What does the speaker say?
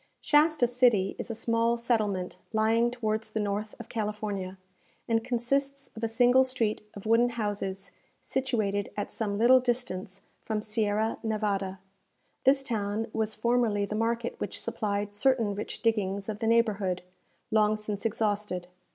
Shasta City is a small settlement lying towards the north of California, and consists of a single street of wooden houses situated at some little distance from Sierra Névada. This town was formerly the market which supplied certain rich diggings of the neighbourhood, long since exhausted.